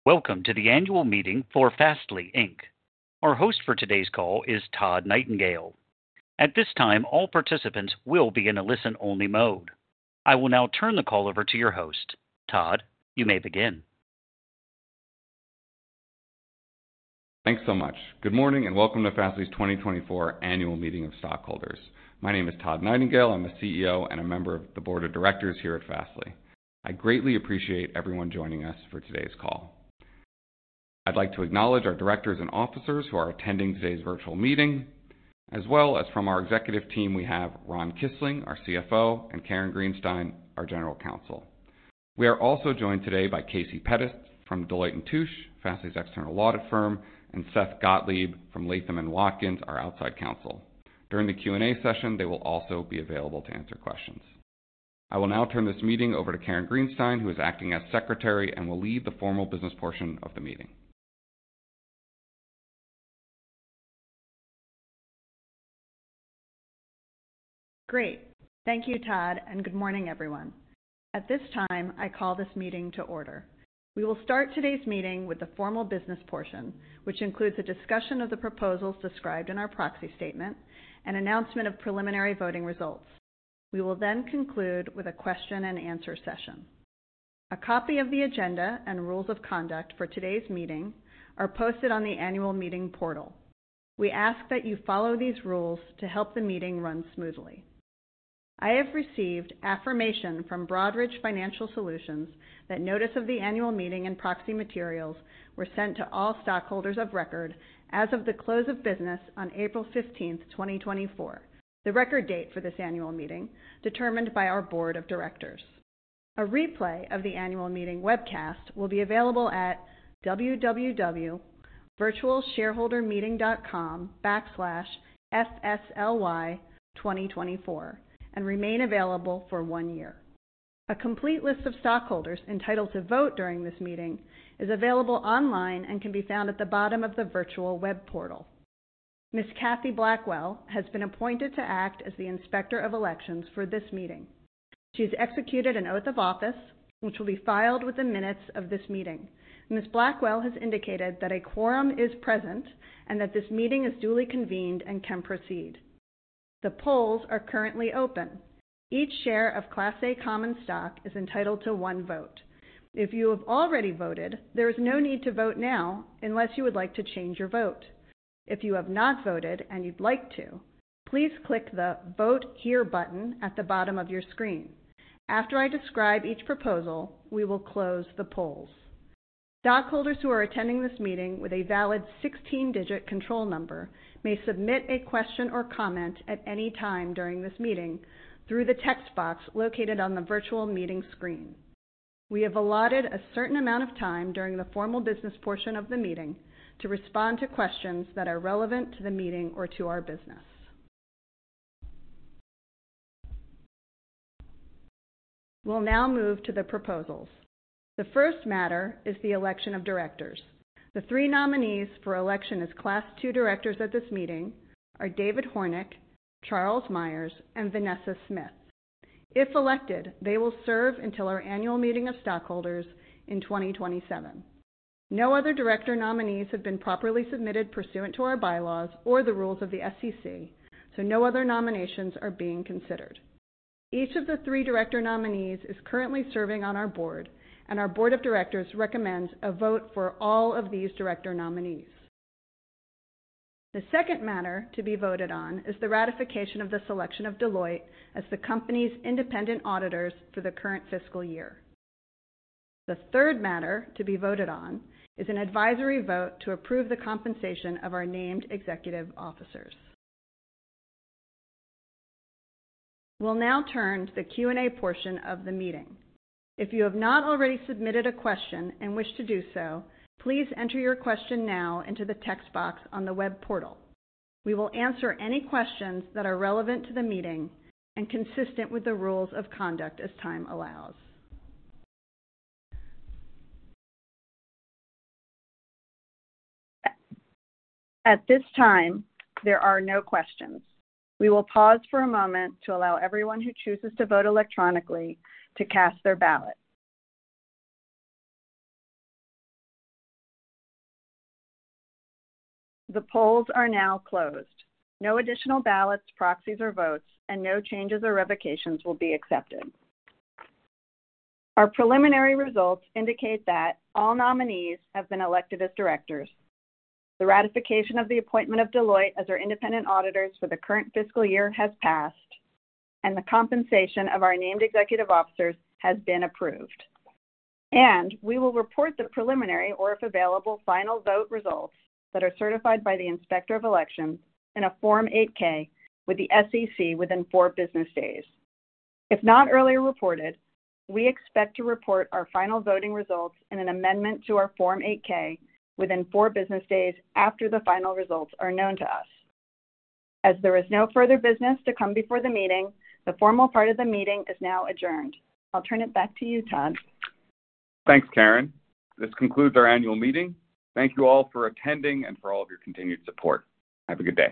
Welcome to the annual meeting for Fastly, Inc. Our host for today's call is Todd Nightingale. At this time, all participants will be in a listen-only mode. I will now turn the call over to your host. Todd, you may begin. Thanks so much. Good morning, and welcome to Fastly's 2024 Annual Meeting of Stockholders. My name is Todd Nightingale. I'm the CEO and a member of the board of directors here at Fastly. I greatly appreciate everyone joining us for today's call. I'd like to acknowledge our directors and officers who are attending today's virtual meeting, as well as from our executive team, we have Ron Kisling, our CFO, and Karen Greenstein, our General Counsel. We are also joined today by Casey Pettit from Deloitte & Touche, Fastly's external audit firm, and Seth Gottlieb from Latham & Watkins, our outside counsel. During the Q&A session, they will also be available to answer questions. I will now turn this meeting over to Karen Greenstein, who is acting as secretary and will lead the formal business portion of the meeting. Great. Thank you, Todd, and good morning, everyone. At this time, I call this meeting to order. We will start today's meeting with the formal business portion, which includes a discussion of the proposals described in our proxy statement and announcement of preliminary voting results. We will then conclude with a question-and-answer session. A copy of the agenda and rules of conduct for today's meeting are posted on the annual meeting portal. We ask that you follow these rules to help the meeting run smoothly. I have received affirmation from Broadridge Financial Solutions that notice of the annual meeting and proxy materials were sent to all stockholders of record as of the close of business on April fifteenth, 2024, the record date for this annual meeting, determined by our board of directors. A replay of the annual meeting webcast will be available at www.virtualshareholdermeeting.com/FSLY2024 and remain available for 1 year. A complete list of stockholders entitled to vote during this meeting is available online and can be found at the bottom of the virtual web portal. Ms. Kathy Blackwell has been appointed to act as the Inspector of Elections for this meeting. She's executed an oath of office, which will be filed with the minutes of this meeting. Ms. Blackwell has indicated that a quorum is present and that this meeting is duly convened and can proceed. The polls are currently open. Each share of Class A common stock is entitled to 1 vote. If you have already voted, there is no need to vote now unless you would like to change your vote. If you have not voted and you'd like to, please click the Vote Here button at the bottom of your screen. After I describe each proposal, we will close the polls. Stockholders who are attending this meeting with a valid 16-digit control number may submit a question or comment at any time during this meeting through the text box located on the virtual meeting screen. We have allotted a certain amount of time during the formal business portion of the meeting to respond to questions that are relevant to the meeting or to our business. We'll now move to the proposals. The first matter is the election of directors. The three nominees for election as Class Two directors at this meeting are David Hornik, Charles Meyers, and Vanessa Smith. If elected, they will serve until our annual meeting of stockholders in 2027. No other director nominees have been properly submitted pursuant to our bylaws or the rules of the SEC, so no other nominations are being considered. Each of the three director nominees is currently serving on our board, and our board of directors recommends a vote for all of these director nominees. The second matter to be voted on is the ratification of the selection of Deloitte as the company's independent auditors for the current fiscal year. The third matter to be voted on is an advisory vote to approve the compensation of our named executive officers. We'll now turn to the Q&A portion of the meeting. If you have not already submitted a question and wish to do so, please enter your question now into the text box on the web portal. We will answer any questions that are relevant to the meeting and consistent with the rules of conduct as time allows. At this time, there are no questions. We will pause for a moment to allow everyone who chooses to vote electronically to cast their ballot. The polls are now closed. No additional ballots, proxies, or votes, and no changes or revocations will be accepted. Our preliminary results indicate that all nominees have been elected as directors. The ratification of the appointment of Deloitte as our independent auditors for the current fiscal year has passed, and the compensation of our named executive officers has been approved. We will report the preliminary or, if available, final vote results that are certified by the Inspector of Elections in a Form 8-K with the SEC within four business days. If not earlier reported, we expect to report our final voting results in an amendment to our Form 8-K within four business days after the final results are known to us. As there is no further business to come before the meeting, the formal part of the meeting is now adjourned. I'll turn it back to you, Todd. Thanks, Karen. This concludes our annual meeting. Thank you all for attending and for all of your continued support. Have a good day!